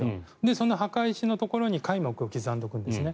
その墓石のところに戒名を刻んでおくんですね。